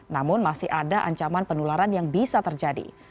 namun masih ada ancaman penularan yang bisa terjadi